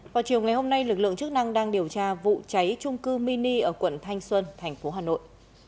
vào chiều ngày hôm nay lực lượng chức năng đang điều tra vụ cháy trung cư mini ở quận thanh xuân thành phố hà nội